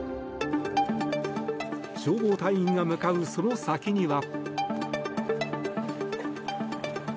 消防隊員が向かうその先には。